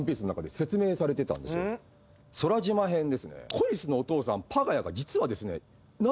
コニスのお父さんパガヤが実はですね。